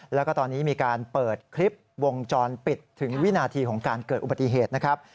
แล้วก็ตอนนี้มีการเปิดคลิปวงจรปิดถึงวินาทีของการเกิดอุบัติเหตุนะครับ